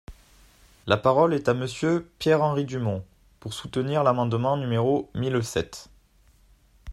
La parole est à Monsieur Pierre-Henri Dumont, pour soutenir l’amendement numéro mille sept.